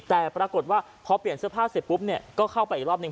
แต่ปรากฏว่าพอเปลี่ยนเสื้อผ้าเสร็จปุ๊บเนี่ยก็เข้าไปอีกรอบหนึ่ง